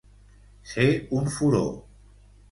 Ser un furó.